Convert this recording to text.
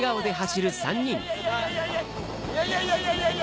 いやいやいやいや！